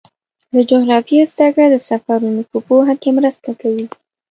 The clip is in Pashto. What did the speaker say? د جغرافیې زدهکړه د سفرونو په پوهه کې مرسته کوي.